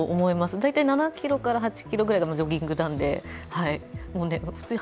大体７キロから８キロがジョギングなので。